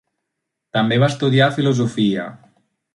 També va estudiar filosofia.